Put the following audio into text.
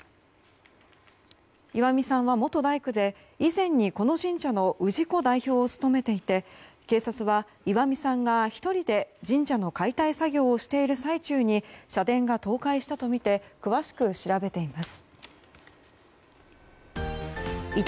石見さんは元大工で以前にこの神社の氏子代表を務めていて警察は石見さんが１人で神社の解体作業をしている最中に社殿が倒壊したとみて詳しく調べています。